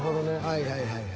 はいはいはい。